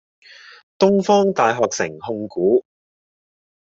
東方大學城控股